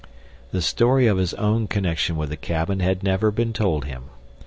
The story of his own connection with the cabin had never been told him.